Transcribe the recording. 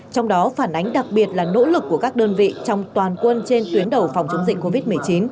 trong đó phản ánh đặc biệt là nỗ lực của các đơn vị trong toàn quân trên tuyến đầu phòng chống dịch covid một mươi chín